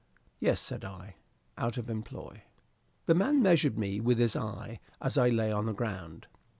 "Yes," said I, "out of employ." The man measured me with his eye as I lay on the ground.